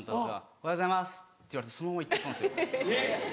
おはようございますって言われてそのまま行っちゃったんですよ。